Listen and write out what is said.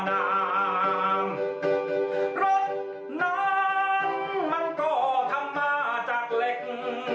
เจ็บทุกท่อนเสียงดีค่ะ